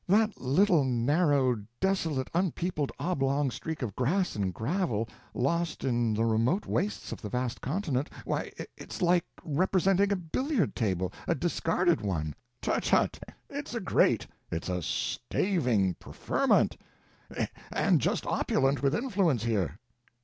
That little narrow, desolate, unpeopled, oblong streak of grass and gravel, lost in the remote wastes of the vast continent—why, it's like representing a billiard table—a discarded one." "Tut tut, it's a great, it's a staving preferment, and just opulent with influence here."